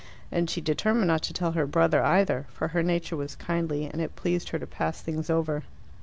And she determined not to tell her brother either, for her nature was kindly, and it pleased her to pass things over.